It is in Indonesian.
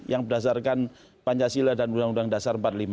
yang berdasarkan pancasila dan undang undang dasar empat puluh lima